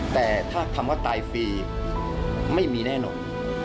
แต่ถ้าคำว่าตายฟรีไม่มีแน่นอน